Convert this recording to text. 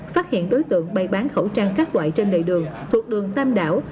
phát hiện đối tượng bày bán khẩu trang các loại trên đầy đường thuộc đường tam đảo